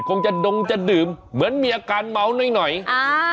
คงจะดงจะดื่มเหมือนมีอาการเมาหน่อยอ่า